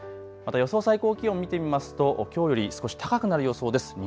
また予想最高気温、見てみますときょうより少し高くなる予想です。